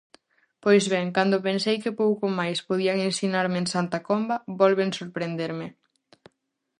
Pois ben, cando pensei que pouco máis podían ensinarme en Santa Comba, volven sorprenderme.